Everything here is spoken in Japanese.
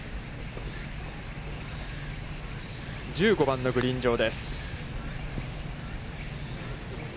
１５番のグリーン上です。